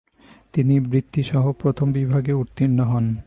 তিনি বৃত্তিসহ প্রথম বিভাগে উত্তীর্ণ হন।